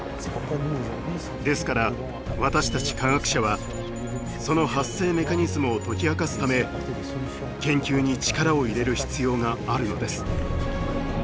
ですから私たち科学者はその発生メカニズムを解き明かすため研究に力を入れる必要があるのです。